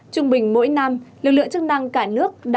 trung bình mỗi năm lực lượng chức năng cả nước